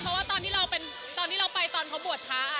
เพราะว่าตอนที่เราไปตอนเขาบวชท้า